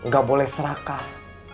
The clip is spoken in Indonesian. gak boleh serakah